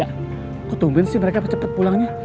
ya kok tumbuhin sih mereka apa cepat pulangnya